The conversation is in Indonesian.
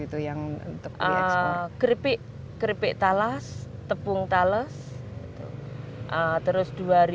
itu yang untuk kek kripik kripik talas tepung tales terus